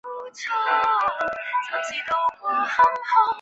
核质包括染色体和核仁。